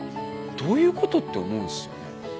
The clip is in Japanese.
どういうこと？って思うんですよね。